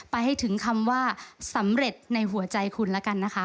ให้ถึงคำว่าสำเร็จในหัวใจคุณแล้วกันนะคะ